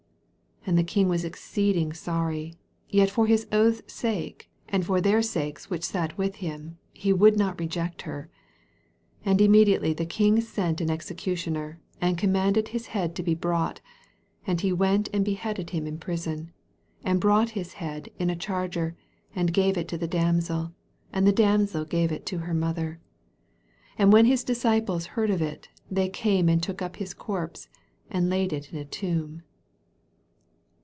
26 And the king was exceeding sorry ; yet for his oath's sake, and for their sakes which sat with him, he would not reject her. 27 And immediately the king sent an executioner, and commanded his head to be brought : and he went and beheaded him in prison, 28 And brought his head in a char ger, and gave it to the damsel : and the damsel gave it to her mother. 29 And when his disciples heard of it, they came and took up his corpse, and laid it in a tomb.